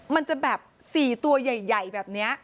มันจะแบบ๔ตัวใหญ่แบบนี้